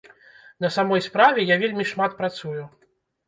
На самой справе, я вельмі шмат працую.